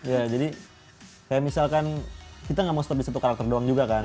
ya jadi kayak misalkan kita nggak mau tetap di satu karakter doang juga kan